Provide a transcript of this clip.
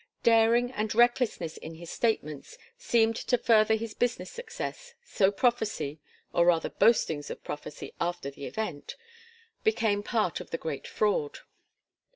Daring and recklessness in his statements seemed to further his business success, so prophecy or rather boastings of prophecy after the event became part of the great fraud.